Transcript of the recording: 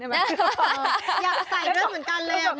อยากใส่ด้วยเหมือนกันเลย